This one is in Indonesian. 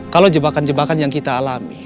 kalau jebakan jebakan yang kita alami